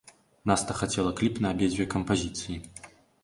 Наста хацела кліп на абедзве кампазіцыі.